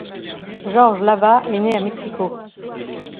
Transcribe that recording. Jorge Lavat est né à Mexico.